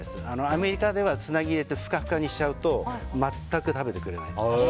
アメリカではつなぎを入れてフカフカにしちゃうと全く食べてくれない。